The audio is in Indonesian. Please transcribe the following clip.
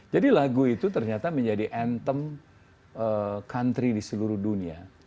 jadi lagu itu ternyata menjadi anthem country di seluruh dunia